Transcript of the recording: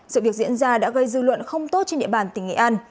sự việc diễn ra đã gây dư luận không tốt trên địa bàn tỉnh nghệ an